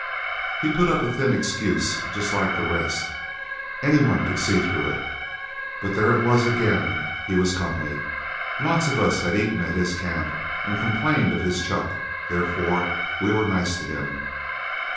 He put up a thin excuse just like the rest. Any one could see through it. But there it was again he was company. Lots of us had eaten at his camp and complained of his chuck; therefore, we were nice to him.